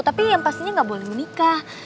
tapi yang pastinya nggak boleh menikah